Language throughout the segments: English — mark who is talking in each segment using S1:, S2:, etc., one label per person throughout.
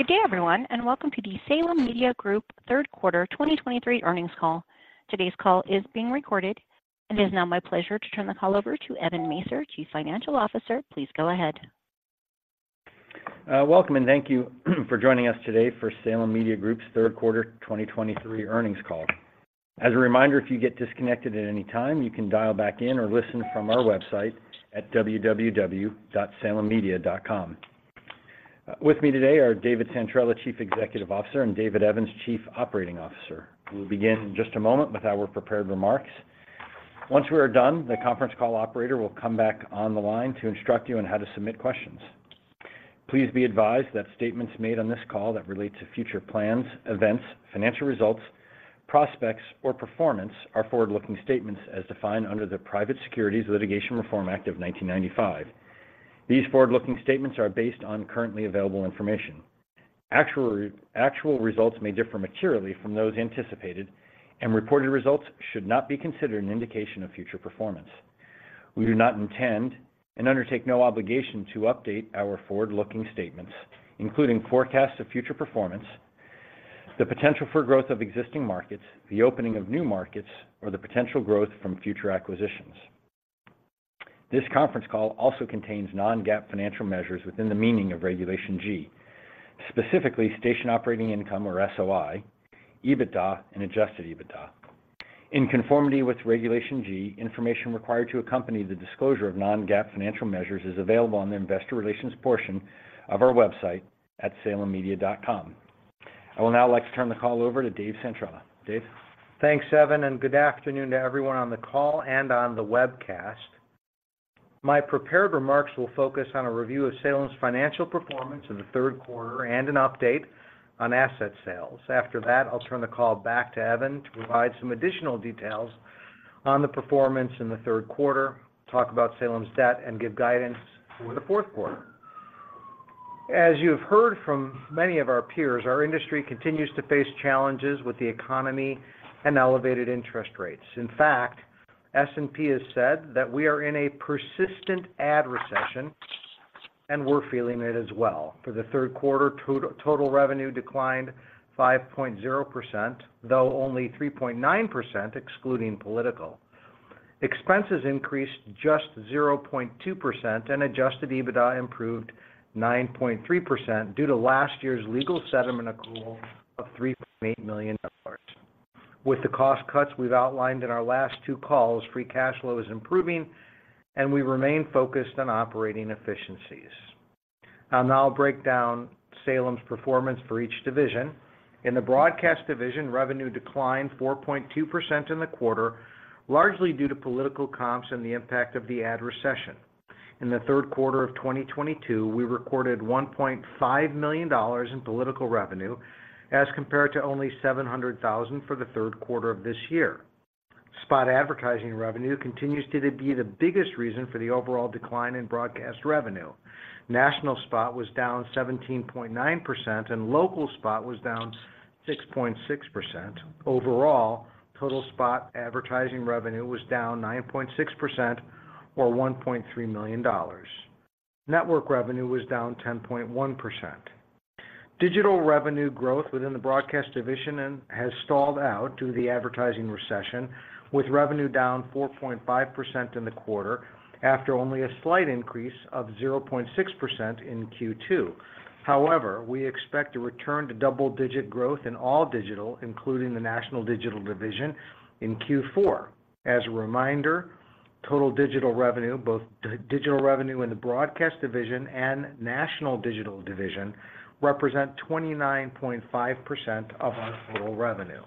S1: Good day, everyone, and welcome to the Salem Media Group third quarter 2023 earnings call. Today's call is being recorded. It is now my pleasure to turn the call over to Evan Masyr, Chief Financial Officer. Please go ahead.
S2: Welcome, and thank you for joining us today for Salem Media Group's third quarter 2023 earnings call. As a reminder, if you get disconnected at any time, you can dial back in or listen from our website at www.salemmedia.com. With me today are David Santrella, Chief Executive Officer, and David Evans, Chief Operating Officer. We'll begin in just a moment with our prepared remarks. Once we are done, the conference call operator will come back on the line to instruct you on how to submit questions. Please be advised that statements made on this call that relate to future plans, events, financial results, prospects, or performance are forward-looking statements as defined under the Private Securities Litigation Reform Act of 1995. These forward-looking statements are based on currently available information. Actual results may differ materially from those anticipated, and reported results should not be considered an indication of future performance. We do not intend, and undertake no obligation to update, our forward-looking statements, including forecasts of future performance, the potential for growth of existing markets, the opening of new markets, or the potential growth from future acquisitions. This conference call also contains non-GAAP financial measures within the meaning of Regulation G, specifically station operating income, or SOI, EBITDA, and adjusted EBITDA. In conformity with Regulation G, information required to accompany the disclosure of non-GAAP financial measures is available on the Investor Relations portion of our website at salemmedia.com. I will now like to turn the call over to Dave Santrella. Dave?
S3: Thanks, Evan, and good afternoon to everyone on the call and on the webcast. My prepared remarks will focus on a review of Salem's financial performance in the third quarter and an update on asset sales. After that, I'll turn the call back to Evan to provide some additional details on the performance in the third quarter, talk about Salem's debt, and give guidance for the fourth quarter. As you've heard from many of our peers, our industry continues to face challenges with the economy and elevated interest rates. In fact, S&P has said that we are in a persistent ad recession, and we're feeling it as well. For the third quarter, total revenue declined 5.0%, though only 3.9% excluding political. Expenses increased just 0.2%, and adjusted EBITDA improved 9.3% due to last year's legal settlement accrual of $3.8 million. With the cost cuts we've outlined in our last two calls, free cash flow is improving, and we remain focused on operating efficiencies. I'll now break down Salem's performance for each division. In broadcast division, revenue declined 4.2% in the quarter, largely due to political comps and the impact of the ad recession. In the third quarter of 2022, we recorded $1.5 million in political revenue, as compared to only $700,000 for the third quarter of this year. Spot advertising revenue continues to be the biggest reason for the overall decline in broadcast revenue. National spot was down 17.9%, and local spot was down 6.6%. Overall, total spot advertising revenue was down 9.6% or $1.3 million. Network revenue was down 10.1%. Digital revenue growth within broadcast division and has stalled out due to the advertising recession, with revenue down 4.5% in the quarter after only a slight increase of 0.6% in Q2. However, we expect to return to double-digit growth in all digital, including the national digital division, in Q4. As a reminder, total digital revenue, both digital revenue in the broadcast division and national digital division, represent 29.5% of our total revenue.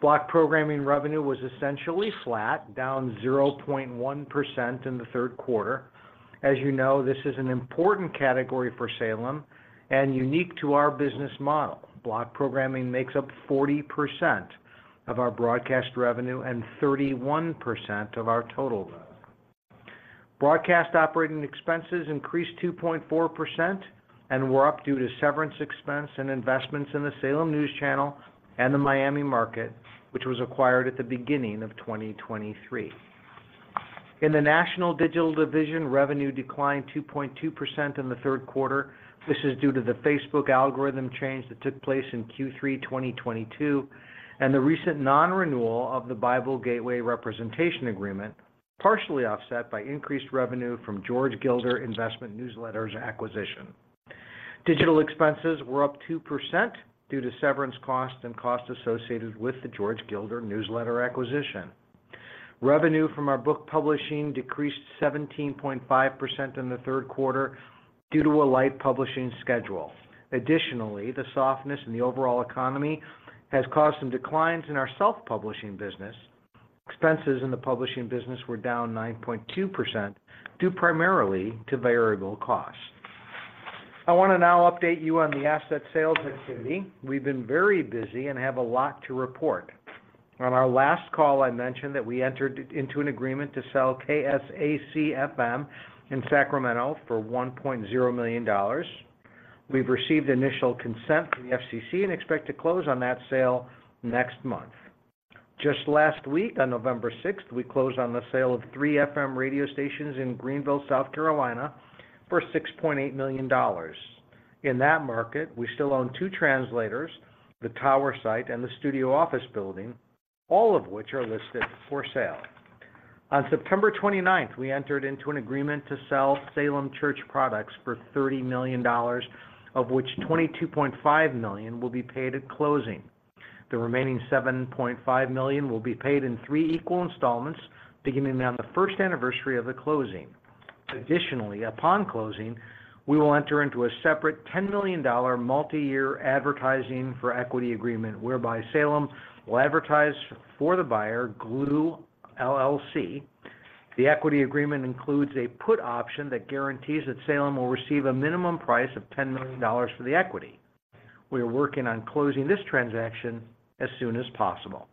S3: Block programming revenue was essentially flat, down 0.1% in the third quarter. As you know, this is an important category for Salem and unique to our business model. Block programming makes up 40% of our broadcast revenue and 31% of our total revenue. Broadcast operating expenses increased 2.4% and were up due to severance expense and investments in the Salem News Channel and the Miami market, which was acquired at the beginning of 2023. In the national digital division, revenue declined 2.2% in the third quarter. This is due to the Facebook algorithm change that took place in Q3 2022, and the recent non-renewal of the Bible Gateway representation agreement, partially offset by increased revenue from George Gilder investment newsletters acquisition. Digital expenses were up 2% due to severance costs and costs associated with the George Gilder newsletter acquisition. Revenue from our book publishing decreased 17.5% in the third quarter due to a light publishing schedule. Additionally, the softness in the overall economy has caused some declines in our self-publishing business. Expenses in the publishing business were down 9.2%, due primarily to variable costs. I want to now update you on the asset sales activity. We've been very busy and have a lot to report. On our last call, I mentioned that we entered into an agreement to sell KSAC-FM in Sacramento for $1.0 million. We've received initial consent from the FCC and expect to close on that sale next month. Just last week, on November 6th, we closed on the sale of three FM radio stations in Greenville, South Carolina, for $6.8 million. In that market, we still own two translators, the tower site, and the studio office building, all of which are listed for sale. On September 29th, we entered into an agreement to sell Salem Church Products for $30 million, of which $22.5 million will be paid at closing. The remaining $7.5 million will be paid in three equal installments, beginning on the first anniversary of the closing. Additionally, upon closing, we will enter into a separate $10 million multiyear advertising for equity agreement, whereby Salem will advertise for the buyer, Gloo, LLC. The equity agreement includes a put option that guarantees that Salem will receive a minimum price of $10 million for the equity. We are working on closing this transaction as soon as possible.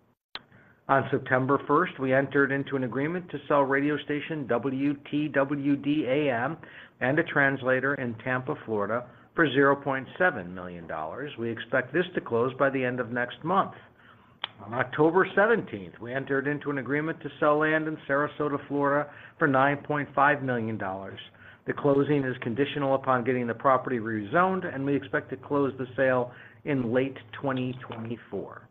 S3: On September 1st, we entered into an agreement to sell radio station WTWD-AM, and a translator in Tampa, Florida, for $0.7 million. We expect this to close by the end of next month. On October 17th, we entered into an agreement to sell land in Sarasota, Florida, for $9.5 million. The closing is conditional upon getting the property rezoned, and we expect to close the sale in late 2024.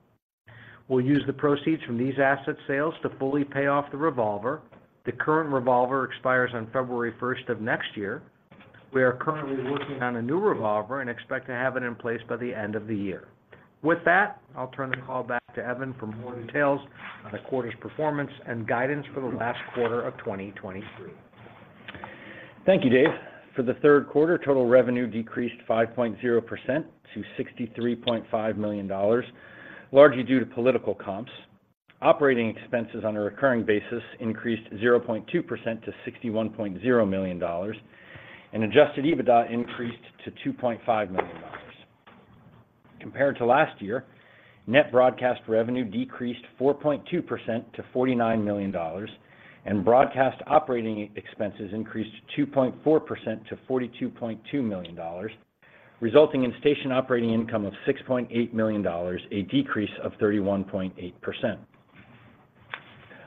S3: We'll use the proceeds from these asset sales to fully pay off the revolver. The current revolver expires on February 1st of next year. We are currently working on a new revolver and expect to have it in place by the end of the year. With that, I'll turn the call back to Evan for more details on the quarter's performance and guidance for the last quarter of 2023.
S2: Thank you, Dave. For the third quarter, total revenue decreased 5.0% to $63.5 million, largely due to political comps. Operating expenses on a recurring basis increased 0.2% to $61.0 million, and adjusted EBITDA increased to $2.5 million. Compared to last year, net broadcast revenue decreased 4.2% to $49 million, and broadcast operating expenses increased 2.4% to $42.2 million, resulting in station operating income of $6.8 million, a decrease of 31.8%.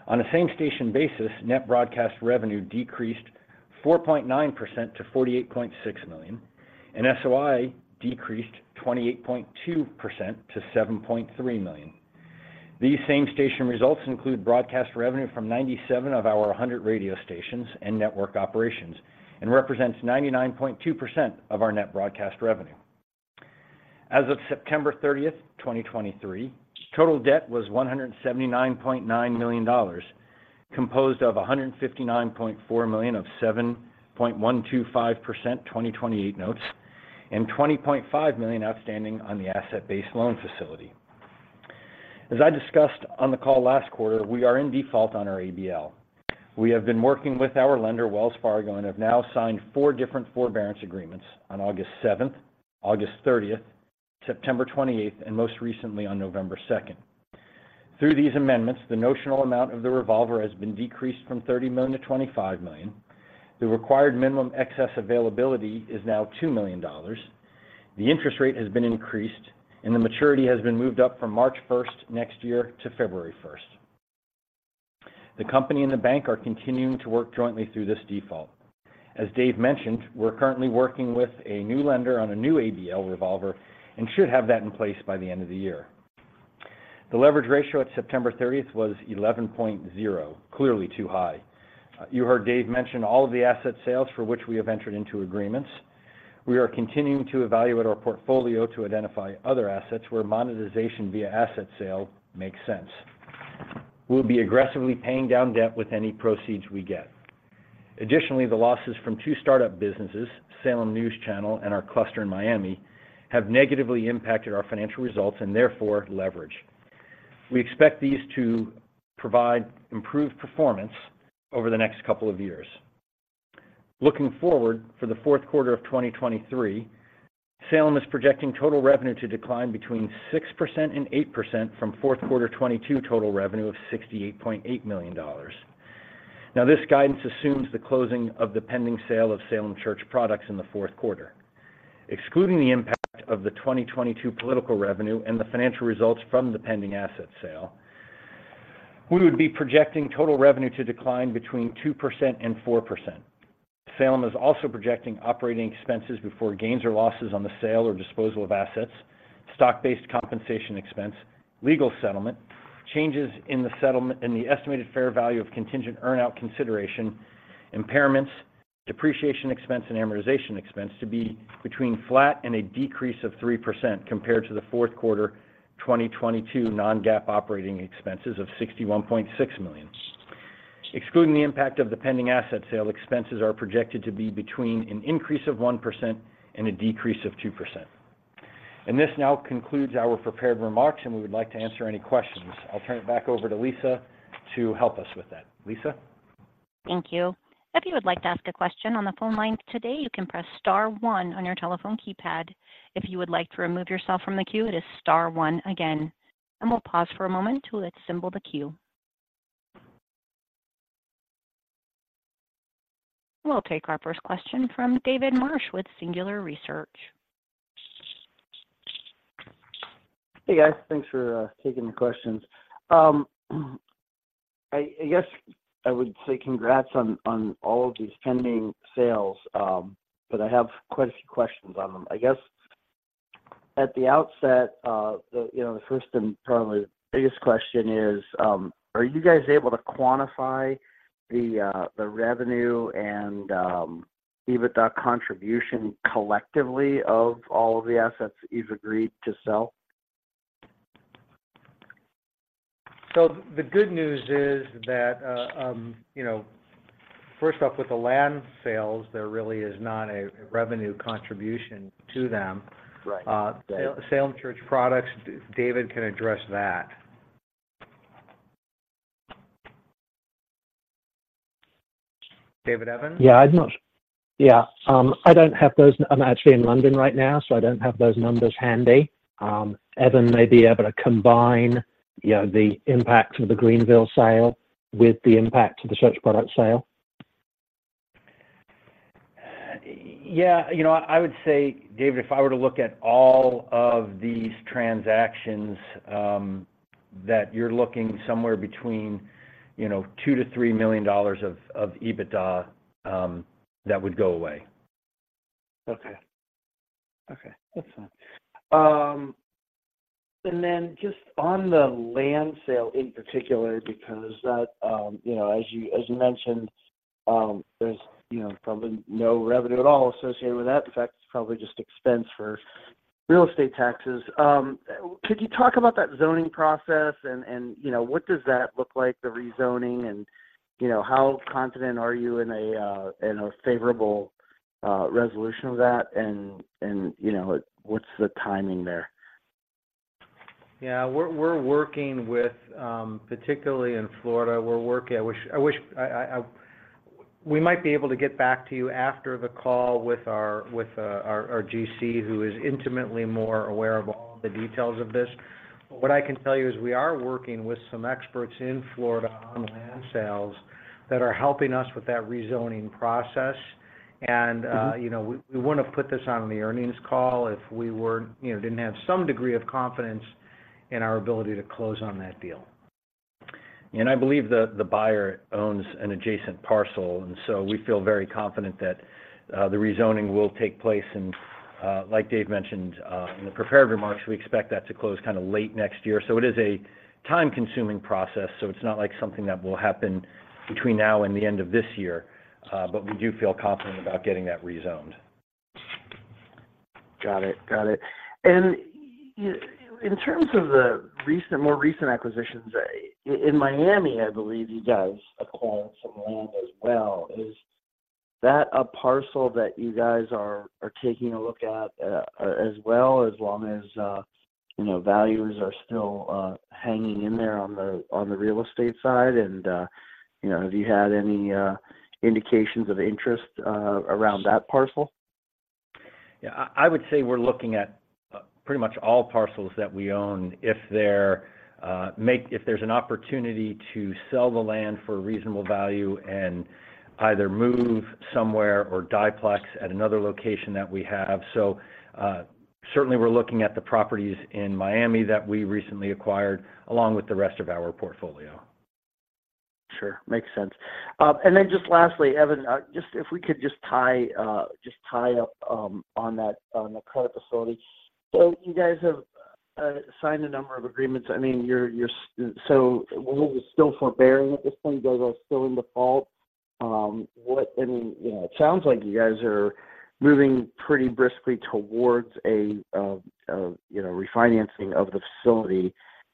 S2: On a same-station basis, net broadcast revenue decreased 4.9% to $48.6 million, and SOI decreased 28.2% to $7.3 million. These same-station results include broadcast revenue from 97 of our 100 radio stations and network operations, and represents 99.2% of our net broadcast revenue. As of September 30th, 2023, total debt was $179.9 million, composed of $159.4 million of 7.125% 2028 notes, and $20.5 million outstanding on the asset-based loan facility. As I discussed on the call last quarter, we are in default on our ABL. We have been working with our lender, Wells Fargo, and have now signed four different forbearance agreements on August 7th, August 30th, September 28th, and most recently on November 2nd. Through these amendments, the notional amount of the revolver has been decreased from $30 million to $25 million. The required minimum excess availability is now $2 million. The interest rate has been increased, and the maturity has been moved up from March 1st next year to February 1st. The company and the bank are continuing to work jointly through this default. As Dave mentioned, we're currently working with a new lender on a new ABL revolver and should have that in place by the end of the year. The leverage ratio at September 30th was 11.0, clearly too high. You heard Dave mention all of the asset sales for which we have entered into agreements. We are continuing to evaluate our portfolio to identify other assets where monetization via asset sale makes sense. We'll be aggressively paying down debt with any proceeds we get. Additionally, the losses from two startup businesses, Salem News Channel and our cluster in Miami, have negatively impacted our financial results and therefore, leverage. We expect these to provide improved performance over the next couple of years. Looking forward, for the fourth quarter of 2023, Salem is projecting total revenue to decline between 6% and 8% from fourth quarter 2022 total revenue of $68.8 million. Now, this guidance assumes the closing of the pending sale of Salem Church Products in the fourth quarter. Excluding the impact of the 2022 political revenue and the financial results from the pending asset sale, we would be projecting total revenue to decline between 2% and 4%. Salem is also projecting operating expenses before gains or losses on the sale or disposal of assets, stock-based compensation expense, legal settlement, changes in the estimated fair value of contingent earn-out consideration, impairments, depreciation expense, and amortization expense to be between flat and a decrease of 3%, compared to the fourth quarter 2022 non-GAAP operating expenses of $61.6 million. Excluding the impact of the pending asset sale, expenses are projected to be between an increase of 1% and a decrease of 2%. This now concludes our prepared remarks, and we would like to answer any questions. I'll turn it back over to Lisa to help us with that. Lisa?
S1: Thank you. If you would like to ask a question on the phone line today, you can press star one on your telephone keypad. If you would like to remove yourself from the queue, it is star one again, and we'll pause for a moment to assemble the queue. We'll take our first question from David Marsh with Singular Research.
S4: Hey, guys. Thanks for taking the questions. I guess I would say congrats on all of these pending sales, but I have quite a few questions on them. I guess at the outset, you know, the first and probably the biggest question is, are you guys able to quantify the revenue and EBITDA contribution collectively of all of the assets you've agreed to sell?
S2: The good news is that, you know, first off, with the land sales, there really is not a revenue contribution to them.
S4: Right.
S2: The sale of Salem Church Products, David can address that. David Evans?
S5: Yeah, I don't have those. I'm actually in London right now, so I don't have those numbers handy. Evan may be able to combine, you know, the impact of the Greenville sale with the impact of the Church product sale.
S2: Yeah, you know, I would say, David, if I were to look at all of these transactions, that you're looking somewhere between, you know, $2 million-$3 million of EBITDA that would go away.
S4: Okay. Okay, that's fine. And then just on the land sale in particular, because that, you know, as you, as you mentioned, there's, you know, probably no revenue at all associated with that. In fact, it's probably just expense for real estate taxes. Could you talk about that zoning process and, and you know, what does that look like, the rezoning, and, you know, how confident are you in a, in a favorable, resolution of that? And, and, you know, what's the timing there?
S2: Yeah, we're working with, particularly in Florida, we're working. I wish I. We might be able to get back to you after the call with our GC, who is intimately more aware of all the details of this. But what I can tell you is we are working with some experts in Florida on land sales that are helping us with that rezoning process. And.
S4: Mm-hmm.
S2: You know, we wouldn't have put this on the earnings call if we weren't, you know, didn't have some degree of confidence in our ability to close on that deal.
S5: I believe the buyer owns an adjacent parcel, and so we feel very confident that the rezoning will take place. Like Dave mentioned in the prepared remarks, we expect that to close kind of late next year. So it is a time-consuming process, so it's not like something that will happen between now and the end of this year, but we do feel confident about getting that rezoned.
S4: Got it. Got it. And in terms of the recent, more recent acquisitions, in Miami, I believe you guys acquired some land as well. Is that a parcel that you guys are taking a look at, as well, as long as you know, values are still hanging in there on the real estate side? And you know, have you had any indications of interest around that parcel?
S2: Yeah, I would say we're looking at pretty much all parcels that we own. If there's an opportunity to sell the land for a reasonable value and either move somewhere or duplex at another location that we have. So, certainly we're looking at the properties in Miami that we recently acquired, along with the rest of our portfolio.
S4: Sure, makes sense. And then just lastly, Evan, just if we could just tie up on that, on the credit facility. So you guys have signed a number of agreements. I mean, so, well, you're still forbearing at this point, although still in default. And, you know, it sounds like you guys are moving pretty briskly towards a refinancing of the facility.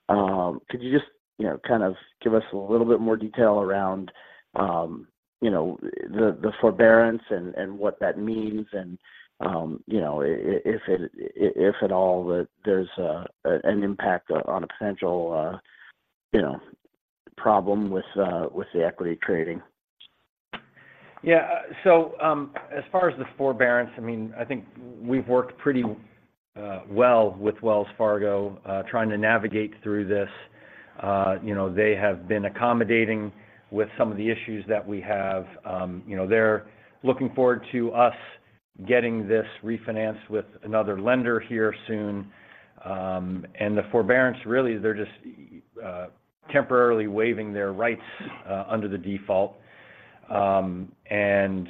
S4: Could you just, you know, kind of give us a little bit more detail around, you know, the forbearance and what that means, and, you know, if it, if at all, that there's an impact on a potential, you know, problem with the equity trading?
S2: Yeah, so, as far as the forbearance, I mean, I think we've worked pretty well with Wells Fargo, trying to navigate through this. You know, they have been accommodating with some of the issues that we have. You know, they're looking forward to us getting this refinanced with another lender here soon. And the forbearance, really, they're just temporarily waiving their rights under the default. And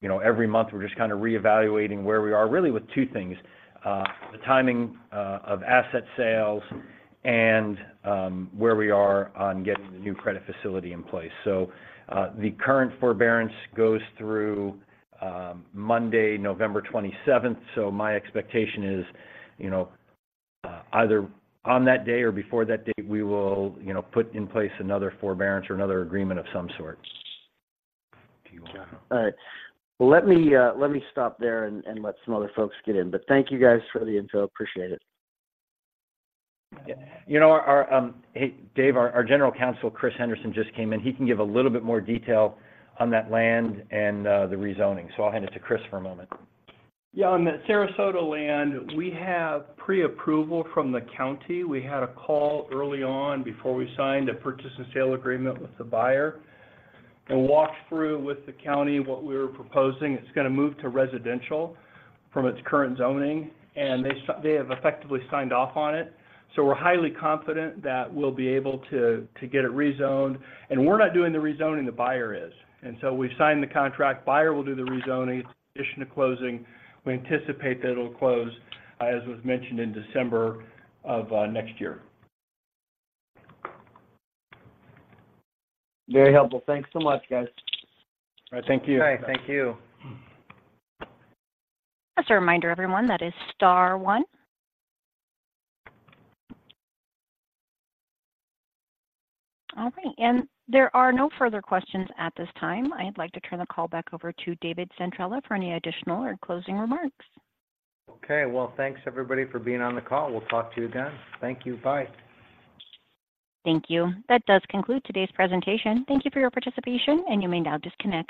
S2: you know, every month, we're just kind of reevaluating where we are, really with two things: the timing of asset sales and where we are on getting the new credit facility in place. So, the current forbearance goes through Monday, November 27th. My expectation is, you know, either on that day or before that date, we will, you know, put in place another forbearance or another agreement of some sort.
S5: If you want.
S4: All right. Well, let me let me stop there and let some other folks get in. But thank you guys for the info. Appreciate it.
S2: You know, hey, Dave, our General Counsel, Chris Henderson, just came in. He can give a little bit more detail on that land and the rezoning. So I'll hand it to Chris for a moment.
S6: Yeah, on the Sarasota land, we have pre-approval from the county. We had a call early on before we signed a purchase and sale agreement with the buyer, and walked through with the county what we were proposing. It's gonna move to residential from its current zoning, and they have effectively signed off on it. So we're highly confident that we'll be able to get it rezoned. And we're not doing the rezoning, the buyer is. And so we've signed the contract. Buyer will do the rezoning in addition to closing. We anticipate that it'll close, as was mentioned, in December of next year.
S4: Very helpful. Thanks so much, guys.
S6: All right. Thank you.
S2: All right. Thank you.
S6: Mm-hmm. All right. There are no further questions at this time. I'd like to turn the call back over to David Santrella for any additional or closing remarks.
S3: Okay. Well, thanks everybody, for being on the call. We'll talk to you again. Thank you. Bye.
S1: Thank you. That does conclude today's presentation. Thank you for your participation, and you may now disconnect.